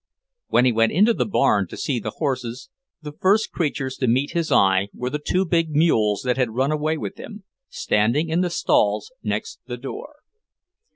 When he went into the barn to see the horses, the first creatures to meet his eye were the two big mules that had run away with him, standing in the stalls next the door.